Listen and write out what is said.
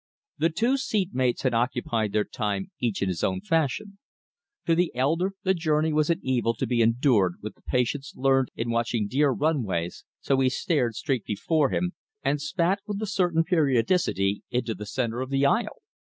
The two seat mates had occupied their time each in his own fashion. To the elder the journey was an evil to be endured with the patience learned in watching deer runways, so he stared straight before him, and spat with a certain periodicity into the centre of the aisle.